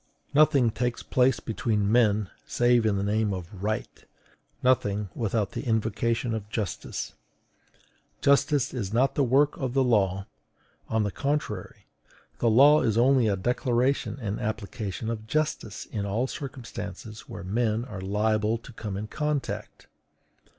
Nothing takes place between men save in the name of RIGHT; nothing without the invocation of justice. Justice is not the work of the law: on the contrary, the law is only a declaration and application of JUSTICE in all circumstances where men are liable to come in contact.